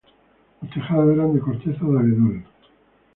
Los tejados eran de corteza de abedul.